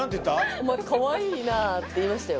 「お前カワイイな」って言いましたよ。